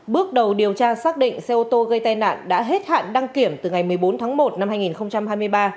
bước đầu điều tra xác định xe ô tô gây tai nạn đã hết hạn đăng kiểm từ ngày một mươi bốn tháng một năm hai nghìn hai mươi ba